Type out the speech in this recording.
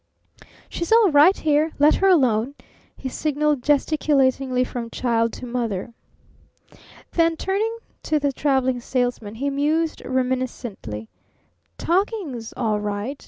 "She's all right here. Let her alone!" he signaled gesticulatingly from child to mother. Then, turning to the Traveling Salesman, he mused reminiscently: "Talking's all right.